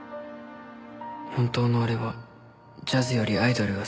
「本当の俺はジャズよりアイドルが好きだ」